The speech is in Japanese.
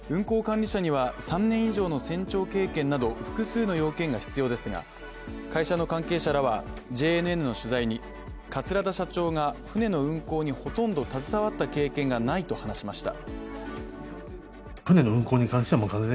運航管理者には３年以上の船長経験など複数の要件が必要ですが会社の関係者らはＪＮＮの取材に桂田社長が船の運航にほとんど携わった経験がないと話しました。